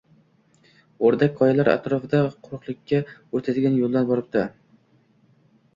o‘rdak qoyalar atrofidan quruqlikka o‘tadigan yo‘ldan boribdi